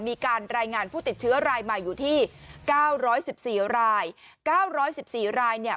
มีการแรงงานผู้ติดเชื้อรายมาอยู่ที่เก้าร้อยสิบสี่รายเก้าร้อยสิบสี่รายเนี่ย